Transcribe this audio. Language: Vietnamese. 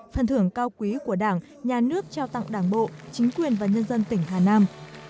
phần thưởng cao quý của đảng nhà nước trao tặng đảng bộ chính quyền và nhân dân tỉnh hà nam